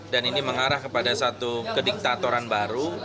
dan ini mengarah kepada satu kediktatoran baru